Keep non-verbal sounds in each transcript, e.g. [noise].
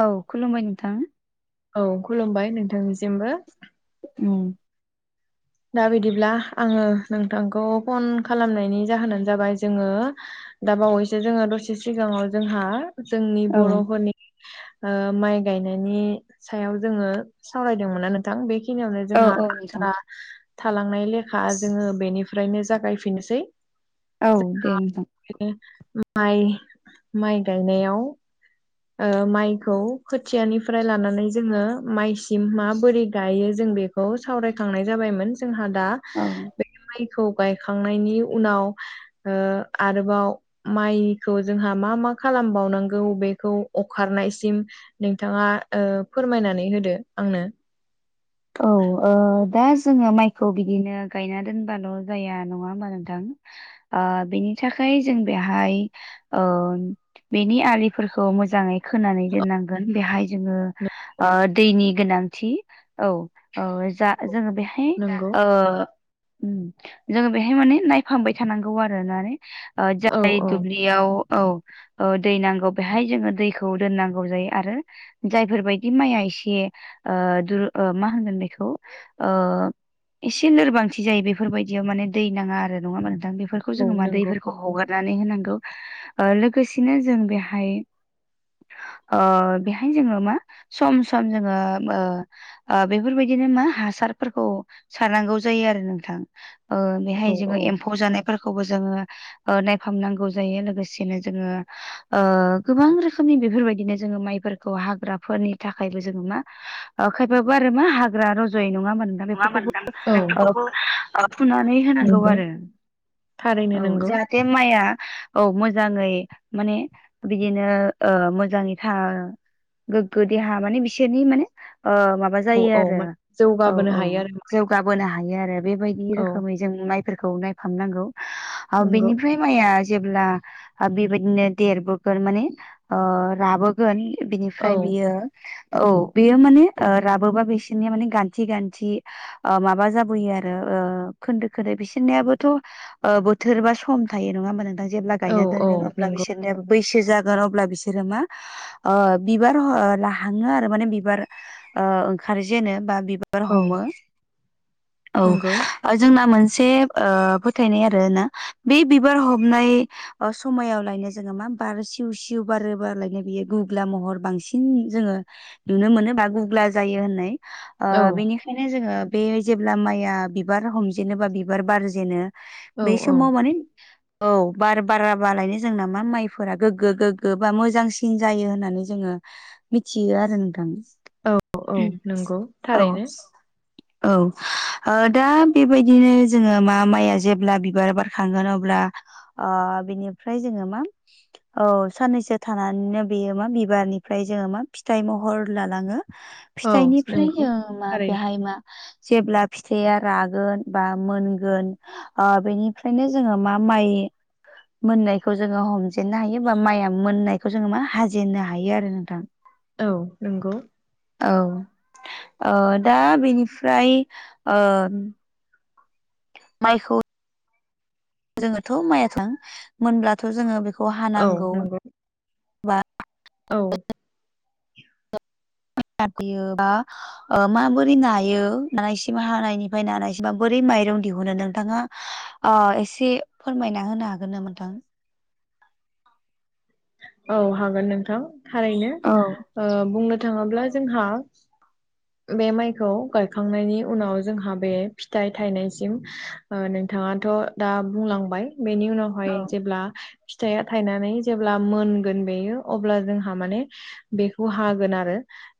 औ खुलुमबाय नोंथां औ खुलुमबाय नोंथांनि सिमबो ओम दा बिदिब्ला आङो नोंथांखौ फन खालामनायनि जाहोनानो जाबाय जोङो दा बावैसो जोङो दसे सिगाङाव जोंहा जोंनि औ बर'फोरनि माइ गायनायनि सायाव जोङो सावरायदोंमोना नों थां बेखिनियावनो औ जोंहा औ नोंथां थालांनाय लेखा जोङो बेनिफ्रायनो जागायफिननोसै औ दे नोंथां बे माइ माइ गायनायाव माइखौ खोथियानिफ्राय लानानै जोङो माइसिम माबोरै गायो जों बेखौ खौ सावरायखांनाय जाबायमोन जोंहा दा औ बे खौ गायखांनायनि उनाव आरोबाव माइखौ जोंहा मा मा खालामबावनांगौ बे खौ अखारनायसिम नोंथाङा फोरमायनानै होदो आंनो औ दा जोङो माइखौ बिदिनो गायना दोनबाल' जाया नङा होमबा नोंथां बेनि थाखाय जों बेहाय बेनि आलिफोरखौ मोजाङै खोनानै दोननांगोन बेहाय जोङो दैनि गोनांथि औ-औ जा जोङो बेहाय नंगौ उम जोङो बेहाय माने नायफांबाय थानांगौ आरोना नानै ओ औ जाय औ दुब्लियाव औ दै नांगौ बेहाय जोङो दैखौ दोननांगौ जायो आरो जायफोरबायदि माइया एसे दुरु मा होनगोन बेखौ एसे लोरबांथि जायो बेफोरबायदियाव माने दै नाङा आरो नङामोन नोंथां बेफोरखौ औ जोङो मा नंगौ दैफोरखौ खौ हगारनानै होनांगौ लोगोसेनो जों बेहाय बेहाय जोङो मा सम सम जोङो आ बेफोरबायदिनो मा हासारफोरखौ सारनांगौ जायो आरो नोंथां ओ बेहाय औ औ जोङो एम्फौ जानाय फोरखौबो जोङो नायफामनांगौ जायो लोगोसेनो जोङो गोबां रोखोमनि बेफोरबायदिनो जोङो माइफोरखौ हाग्राफोरनि थाखायबो जोङो मा खायफाबा आरो मा हाग्रा रज'यै नङा ओमबा नो थां नङा होमबा नोंथां बेफोरखौबो बेफोरखौबो ओ फुनानै होनांगौ नंगौ आरो थारैनो नोंगौ बे माइआ औ मोजाङै माने बिदिनो मोजाङै थ गोग्गो देहा माने बिसोरनि माने माबा औ जायो औ आरो माने औ जौगाबोनो हायो औ आरो जौगाबोनो हायो आरो बेबायदि औ रोखोमै जों नायफोरखौ नायफामनांगौ नंगौ बेनिफ्राय मया जेब्ला बेबायदिनो देरबोगोन माने राबो औ बिनिफ्राय बियो औ बेयो माने ओ राबोबा बिसोरनिया माने गान्थि गान्थि ओ माबा जाबोयो आरो खोन्दो खोन्दो बिसोरनियाबोथ' बोथोर बा सम थायो नङा होमबा नोंथां जेब्ला औ गायना औ दोनगोन अब्ला नंगौ बिसोर बैसो जागोन अब्ला बिसोरो मा बिबार लाहाङो आरो माने बिबार ओंखार जेनो बा बिबार औ हमो नंगौ औ जोंना मोनसे फोथायनाय आरो ना बे बिबार हमनाय अ समायावलायनो जोङो मा बार सिउ सिउ बारोबारलायनो बियो गुग्ला महर बांसिन जोङो नुनो मोनो बा गुबुब्ला जायो होननाय औ बेनिखायनो ओंखायनो जोङो बे जेब्ला माइआ बिबार हमजेनो बा बिबार बारजेनो औ बेै औ समाव माने औ बार बाराबालायनो जोंना मा माइफोरा गोग्गो गोगो बा मोजांसिन जायो होननानै जोङो मिथियो आरो नोंथां औ औ नंगौ औ थारैनो औ दा बेबायदिनो जोङो मा माइया जेब्ला बिबार बारखांगोन अब्ला बिनिफ्राय जोङो मा औ साननैसो थानानैनो बेयो मा बिबारनिफ्राय जोङो मा फिथाइ महर लालाङो [inaudible] फिथाइनिफ्राय नंगौ ज मा थारैनो बेहाय मा जेब्ला फिथाइया रागोन बा मोनगोन बेनिफ्रायनो जोङो मा माइ मोननायखौ जोङो हमजेननो हायो बा माइया मोननायखौ जोङो मा हाजेननो हायो आरो नोंथां औ नंगौ औ दा बेनिफ्राय माइखौ जोङोथ' माइया थां मोनब्लाथ' जोङो बेखौ औ हानांगौ नंगौ औ गाब बा माबोरै नायो नानायसिम हानायनिफ्राय नानायसिमा बोरै माइरं दिहुनो नोंथाङा एसे फोरमायना होनो हागोन न मोनथां औ हागोन नोंथां थारैनो औ बुंनो थाङोब्ला जोंहा बे माइखौ गायखांनायनि उनाव जोंहा बे फिथाइ थायनायसिम नोंथाङाथ' दा बुंलांबाय बेनि उनावहाय औ जेब्ला फिथाइया थायनानै जेब्ला मोनगोन बेयो अब्ला जोंहा माने बेखौ हागोन आरो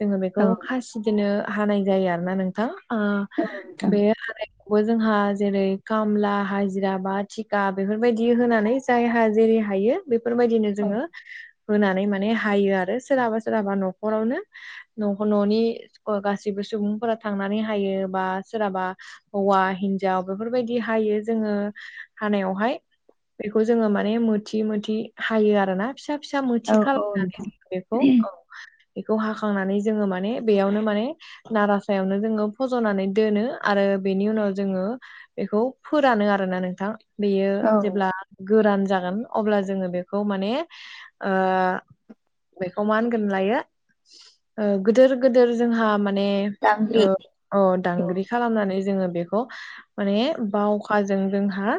जोङो बेखौ औ खासिदिनो हानाय जायो आरो ना नोंथां नोंथां बे हानाय बो जोंहा जेरै खामला हाजिरा बा थिखा बेफोरबायदि होनानै जायहा जेरै हायो बेफोरबायदिनो जोङो होनानै माने हायो आरो सोरहाबा सोरहाबा न'खरावनो न' न'नि गासिबो सुबुंफोरा थांनानै हायो बा सोरहाबा हौवा हिन्जाव बेफोरबायदि हायो जोङो हानायावहाय बेखौ जोङो माने मोथि मोथि हायो आरो ना फिसा फिसा मोथि औ औ खालामनानै ज नोंथां बेखौ औ बेखौ हाखांनानै जोङो माने बेयावनो माने नार सायावनो जोङो फज'नानै दोनो आरो बेनि उनाव जोङो बेखौ फोरानो आरोना नोंथां बेयो औ जेब्ला गोरान जागोन अब्ला जोङो बेखौ माने बेखौ मा होनगोन लायो गिदोर गिदोर जोंहा माने दांग्रि ओ अ औ दांग्रि खालामनानै जोङो बेखौ माने बावखाजों जोंहा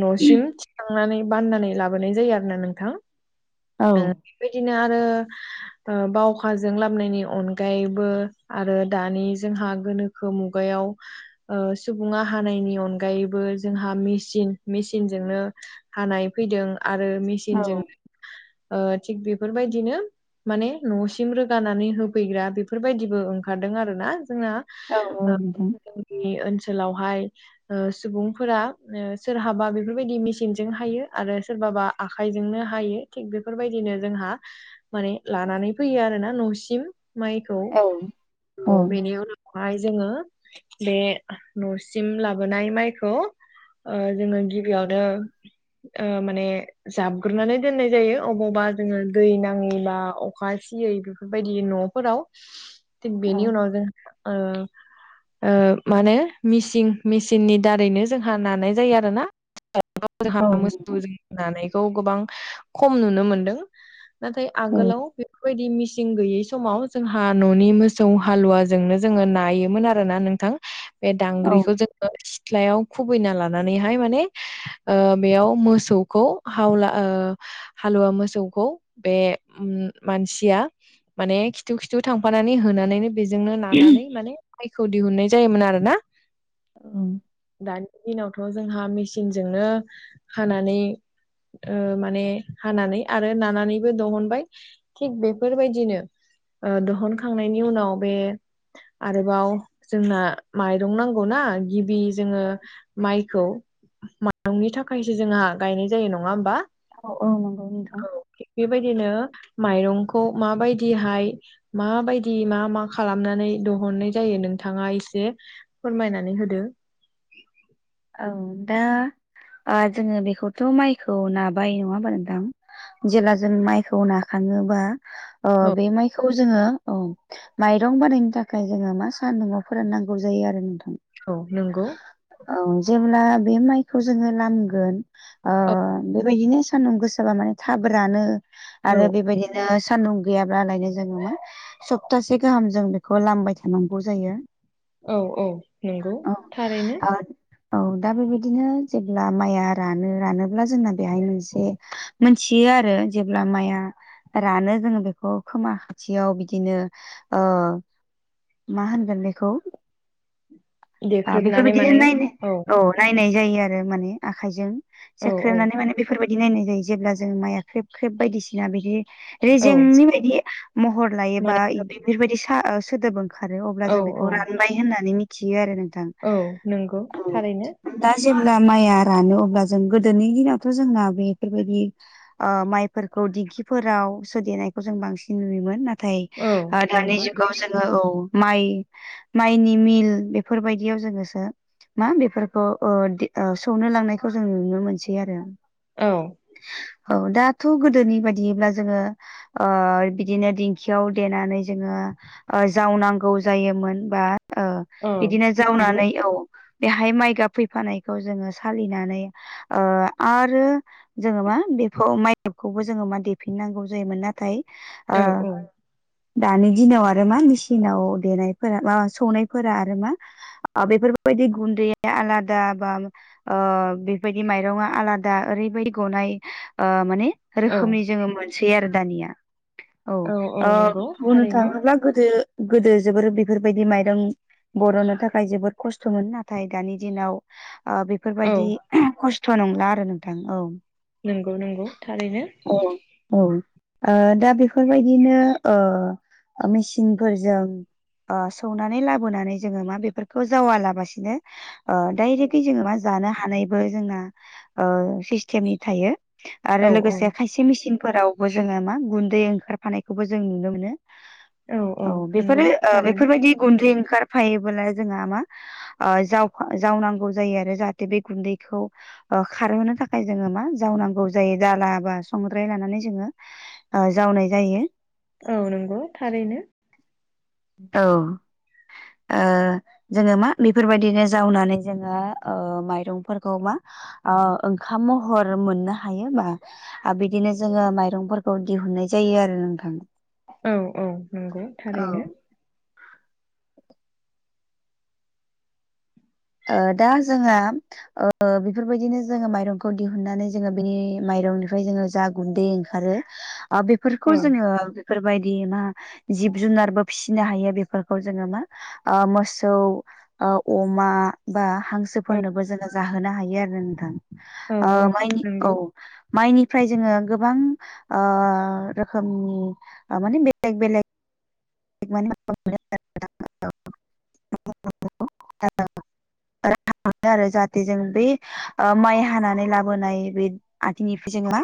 न'सिम थिखांनानै बाननानै लाबोनाय जायो आरो ना नोंथां औ बेबायदिनो आरो बावखाजों लाबोनायनि अनग आगायैबो आरो दानि जोंहा गोनोखो मुगायाव सुबुङा हानायनि अनगायैबो जोंहा मेसिन मेसिनजोंनो हानाय फैदों आरो मेसिन औ जोंनो ओ थिक बेफोरबायदिनो माने नसिम लोंखांनानै होफै फैग्रा बेफोरबायदिबो ओंखारदों आरो ना जोंना औ औ ओ नोंथां जोंनि ओनसोलावहाय ओ सुबुंफोरा सोरहाबा बेफोरबायदि मेसिनजों हायो आरो सोरबाबा आखाइजोंनो हायो थिग बेफोरबायदिनो जोंहा माने लानानै फैयो आरोना न'सिम माइखौ औ औ न' बेनि उनाव हाय जोङो बे न'सिम लाबोनाय माइखौ ओ जोङो गिबियावनो माने ओ जाबग्रोनानै दोननाय जायो अबावबा जोङो दै नाङै बा अखा सियै बेफोरबायदि न' फोराव थिग बेनि उनाव जों ओ ओ माने मिसिन मिसिननि दारैनो जोंहा नानाय जायो आरो ना जोंहा औ मोसौ नोंथां दानायखौ [unintelligible] गोबां खम नुनो मोनदों नाथाय औ आगोलाव बेफोरबायदि मिसिन गैयै समाव जोंहा न'नि मोसौ हालुवाजोंनो जोङो नायोमोन आरो ना नोंथां बे औ दांग्रिखौ जोङो [unintelligible] सिथ्लायाव खुबैना लानानैहाय माने ओ बेयाव मोसौखौ हावला ओ हालुवा मोसौखौ बे उम मानसिया माने खिथु खिथु थांफानानै होनानैनो बेजोंनो लानानै माने मायखौ दिहुननाय जायोमोन आरो ना ओं दानि दिनावथ' जोंहा मेचिनजोंनो हानानै ओ माने हानानै आरो नानानैबो दिहुनबाय थिग बेफोरबायदिनो ओ दोहुनखांनायनि उनाव बे आरोबाव जोंना माइरं नांगौना गिबि जोङो माइखौ माइरंनि थाखायसो जोंहा गायनाय जायो नङा होमबा औ औ नंगौ नोंथां थिग बेबायदिनो माइरंखौ माबायदिहाय माबायदि मा मा खालामनानै दहुननाय जायो नोंथाङा एसे फोरमायनानै होदो औ दा जोङो बेखौथ' माइखौ नाबाय नङा होमबा नोंथां जेला जों माइखौ नाखाङोबा ओ औ बे माइखौ खौ जोङो औ माइरं बानायनो थाखाय जोङो मा सानदुङाव फोराननांगौ जायो आरो नोंथां औ नंगौ औ जेब्ला बे माइखौ जोङो लामगोन ओ औ बेबायदिनो सान्दुं गोसाबा माने थाब रानो औ आरो बेबायदि बिदिनो सान्दुं गैयाब्लालायनो जोङो मा सप्तासे गाहाम जों बेखौ लामबाय थानांगौ जायो औ औ नंगौ औ थारैनो ओ औ दा बेबायदिनो जेब्ला माइया रानो रानोब्ला जोंना बेहाय मोनसे मोनथियो आरो जेब्ला माइआ रानो जोङो बेखौ खोमा खाथियाव बिदिनो ओ मा होनगोन बेखौ देख्रुबनानै बेफोरबायदिनो माने नाय औ नायनाय जायो आरो माने आखायजों औ औ सेख्रेबनानै माने बे फोरबायदि नायनाय जायो जेब्ला जों माइआ ख्रेब ख्रेब बायदिसिना बिदि औ रेजेंनि बायदि महर लायोबा माने बेफोरबायदि सा सोदोब ओंखारो अब्ला औ जों बेखौ औ रान बाय होननानै मिथियो आरो नोंथां औ नंगौ थारैनो औ दा जेब्ला माइया रानो अब्ला जों गोदोनि दिनावथ' जोंना बेफोरबायदि अ माइफोरखौ दिगिफोराव सोदेनायखौ जों बांसिन नुयोमोन ना थाय औ आ दानि नंगौ जुगाव जोङो औ माइ माइनि मिल बेफोरबायदियाव जोङोसो मा बेफोरखौ सौनो लांनायखौ जों नुनो मोनसै आरो औ औ दाथ' गोदोनि बायदियैब्ला जोङो बिदिनो दिंखियाव देनानै जोङो जावनांगौ जायोमोन बा औ बिदिनो नंगौ जावनानै औ बेहाय माइगाब फैफानायखौ जोङो सालिनानै आरो जोङो मा बेखौ माइखौबो जोङो मा देफिननांगौ जायोमोन नाथाय औ औ दानि दिनाव आरो मा मेसिनाव देनायफोरा माबा सौनायफोरा आरो मा बेफोरबायदि गुन्दैया आलादा बा ओ बेफोरबायदि माइरंआ आलादा ओरैबायदि गनाय माने औ रोखोमनि जोङो मोनसै आरो दानिया औ बुंनो थाङोब्ला गोदो गोदो जोबोर बेफोरबायदि माइरं बर'नो थाखाय जोबोद खस्थ'मोन नाथाय दानि दिनाव औ बेफोरबायदि खस्थ' नंला आरो नोंथां औ नंगौ नंगौ थारैनो औ औ दा बेफोरबायदिनो मेसिनफोरजों सौनानै लाबोनानै जोङो मा बेफोरखौ जावालाबासिनो ओ दाइरेकयै जोङो मा जानो हानाय बो जोंना ओ सिसथेमनि थायो आरो औ लोगोसे खायसे से मिसिनफोरावबो जोङो मा गुन्दै ओंखारफानायखौबो जों नुनो मोनो औ बेफोरो ओ बेफोरबायदि गुन्दै ओंखारफायोबोला जोंहा मा ओ जावफा जावनांगौ जायो आरो जाहाथे बे गुन्दैखौ अ खारहोनो थाखाय जोङो मा जावनांगौ जायो दाला बा संद्राय लानानै जोङो ओ जावनाय जायो औ नंगौ थारैनो औ आ जोङो मा बेफोरबायदिनो जावनानै जोङो माइरंफोरखौ मा ओंखाम महर मोननो हायोबा आरो बिदिनो जोङो माइरंफोरखौ दिहुननाय जायो आरो नोंथां औ औ नंगौ औ थारैनो ओ दा जोहा ओ बेफोरबायदिनो जोङो माइरंखौ दिहुनन्नानै जोङो बिनि माइरंनिफ्राय जोङो जा गुन्दै ओंखारो आ बेफोरखौ औ जोङो फोरबायदि मा जिब जुनारबो फिसिनो हायो बेफोरखौ जोङो मा ओ मोसौ ओ अमा बा औ हांसोफोरनोबो जोङो जाहोनो हायो आरो नोंथां औ ओ औ माइनि औ नंगौ माइनिफ्राय जोङो गोबां ओ रोखोमनि ओ माने बेलेग बेलेग [unintelligible] राहा मोनो आरो जाहाथे जों बै ओ माइ हानानै लाबोनाय बै आथिंनिफ्राय जों मा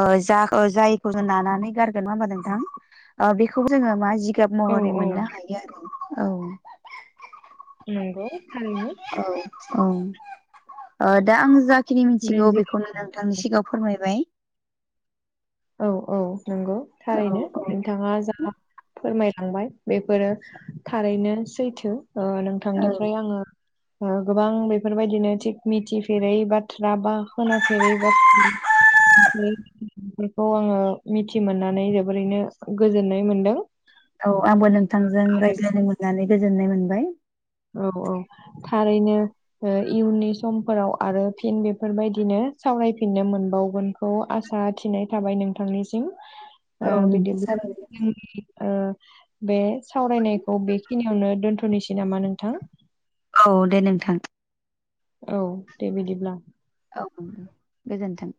ओ जा जायखौ जों नानानै गारगोन नङा होमबा नोंथां ओ बेखौ जोङो मा जिगाब औ महरै औ मोननो हायो आरो औ नंगौ थारैनो औ औ ओ दा आं जाखिनि बे मिथिगौ जि बेखौ नो थांनि सिगाङाव फोरमायबाय औ औ नोंगौ औ थारैनो नोंथाङा जा फोरमायलांबाय बेफोरो थारैनो सैथो ओ औ नोंथांनिफ्राय आङो ओ गोबां बेफोरबायदिनो थिग मिथिफेरै बाथ्रा बा खोनाफेरै बाथ [inaudible] फोरखौ आङो मिथि मोननानै जोबोरैनो गोजोननाय मोनदों औ आंबो नोंथांजों रायज्लायनो मोननानै गोजोननाय मोनबाय औ औ थारैनो ओ इयुननि समफोराव आरो फिन बेफोरबायदिनो सावरायफिननो मोनबावगोन खौ आसा थिनाय थाबाय नोंथांनिसिम ओ औ नोंथां बिदिब्ला [inaudible] ओ बे सावरायनायखौ बेखिनियावनो दोनथ'नोसै नामा नोंथां? औ दे नोंथां। औ दे बिदिब्ला औ गोजोन्थों